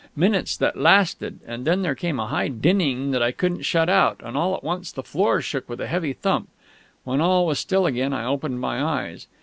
Minutes that lasted; and then there came a high dinning that I couldn't shut out, and all at once the floor shook with a heavy thump. When all was still again I opened my eyes.